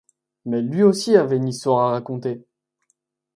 Mais lui aussi avait une histoire à raconter.